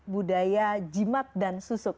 budaya jimat dan susuk